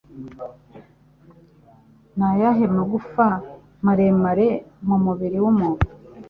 Ni ayahe magufa maremare mu mubiri w'umuntu?